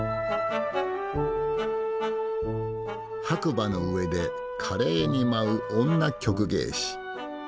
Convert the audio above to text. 白馬の上で華麗に舞う女曲芸師。